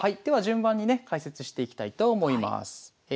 では順番にね解説していきたいと思います。